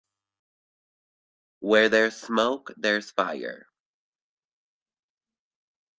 Where there's smoke there's fire.